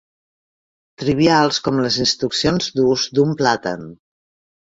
Trivials com les instruccions d'ús d'un plàtan.